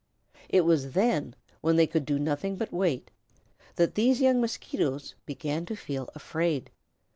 It was then, when they could do nothing but wait, that these young Mosquitoes began to feel afraid.